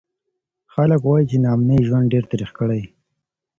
خلک وایي چې ناامني ژوند ډېر تریخ کړی دی.